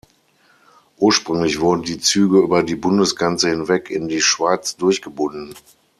Ursprünglich wurden die Züge über die Bundesgrenze hinweg in die Schweiz durchgebunden.